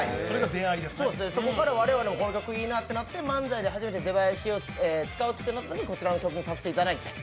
そこから我々もこの曲いいなってなって、漫才で初めて出囃子を使うことになってこちらの曲にさせていただいて。